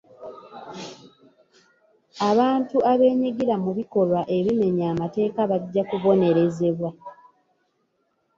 Abantu abeenyigira mu bikolwa ebimenya amateeka bajja kubonerezebwa.